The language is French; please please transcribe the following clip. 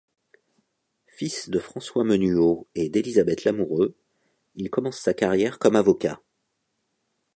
Fils de François Menuau et d'Élisabeth Lamoureux, il commence sa carrière comme avocat.